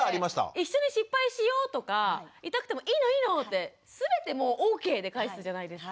「一緒に失敗しよう」とか「痛くてもいいのいいの」で全てＯＫで返すじゃないですか。